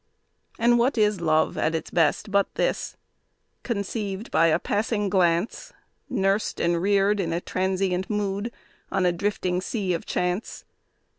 And what is love at its best, but this? Conceived by a passing glance, Nursed and reared in a transient mood, on a drifting Sea of Chance.